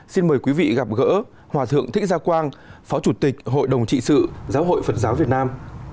xin mời quý vị gặp gỡ hòa thượng thích gia quang phó chủ tịch hội đồng trị sự giáo hội phật giáo việt nam